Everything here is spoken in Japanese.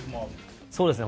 そうですね。